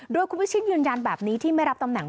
โดยคุณวิชิตยืนยันแบบนี้ที่ไม่รับตำแหน